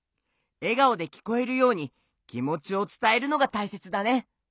えがおできこえるようにきもちをつたえるのがたいせつだね。